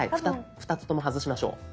２つとも外しましょう。